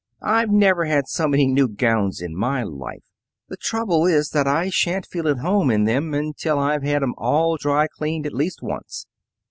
I've never had so many new gowns in my life. The trouble is that I shan't feel at home in them until I've had 'em all dry cleaned at least once."